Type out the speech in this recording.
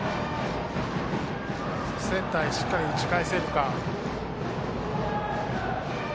センターへしっかり打ち返せるか。